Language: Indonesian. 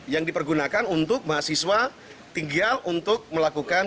yang dipergunakan untuk mahasiswa tinggal untuk melakukan